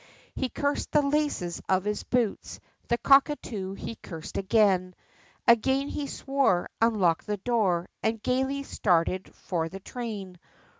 He cursed the laces of his boots, the cockatoo he cursed again, Again he swore, unlocked the door, and gaily started for the train.